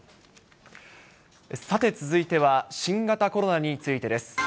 さて続いては、新型コロナについてです。